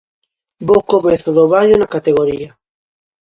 Bo comezo do Baio na categoría.